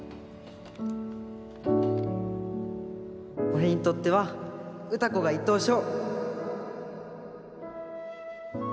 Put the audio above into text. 俺にとっては歌子が１等賞。